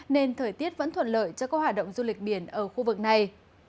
nên thời tiết vẫn thuận lợi cho các hoạt động du lịch biển ở khu vực này